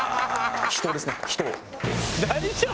「大丈夫？」